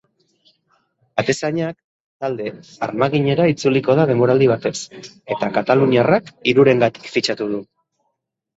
Atezainak talde armaginera itzuliko da denboraldi batez, eta kataluniarrak hirurengatik fitxatu du.